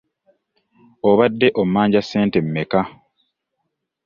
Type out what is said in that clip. Obadde ommanja ssente mmeka?